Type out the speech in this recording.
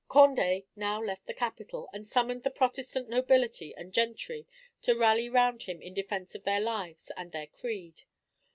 Condé now left the capital, and summoned the Protestant nobility and gentry to rally round him in defence of their lives and their creed.